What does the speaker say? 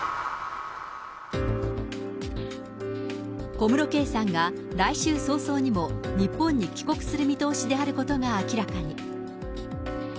小室圭さんが来週早々にも日本に帰国する見通しであることが明らかに。